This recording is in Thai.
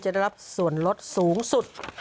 ได้รับส่วนลดสูงสุด